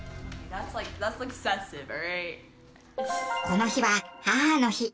この日は母の日。